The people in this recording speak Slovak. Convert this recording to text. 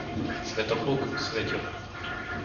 Svätopluk, Sväťo